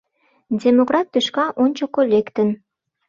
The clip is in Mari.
Демократ тӱшка ончыко лектын.